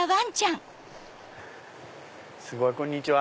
すごい！こんにちは。